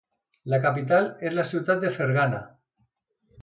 La capital és la ciutat de Fergana.